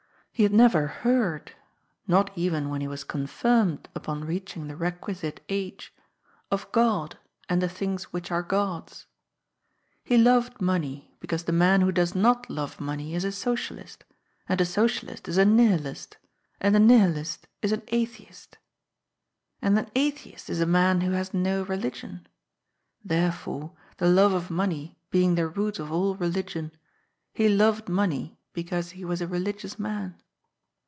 He had never heard — ^not even when he was confirmed upon reaching the requisite age — of Ood and the things which are God's. He loved money, because the man who does not love money is a Socialist, and a Socialist is a Xihilist, and a Nihilist is an Atheist. And an Atheist is a man who has no religion. Therefore, the love of money being the root of all religion, he loved money because he was a religious man.